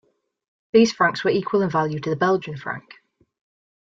These francs were equal in value to the Belgian franc.